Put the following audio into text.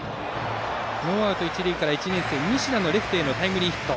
ノーアウト、一塁から１年生、西田のレフトへのタイムリーヒット。